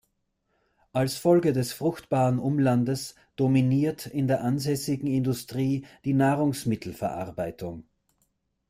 Als Folge des fruchtbaren Umlandes dominiert in der ansässigen Industrie die Nahrungsmittelverarbeitung.